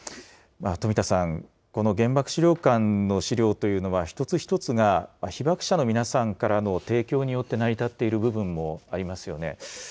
富田さん、この原爆資料館の資料というのは、一つ一つが被爆者の皆さんからの提供によって成り立っている部分もありますよね。